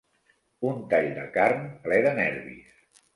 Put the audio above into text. Un tall de carn ple de nervis.